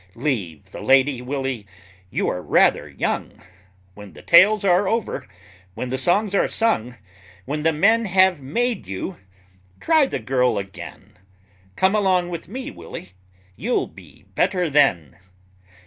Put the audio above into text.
Leave the lady, Willy, you are rather young; When the tales are over, when the songs are sung, When the men have made you, try the girl again; Come along with me, Willy, you'll be better then!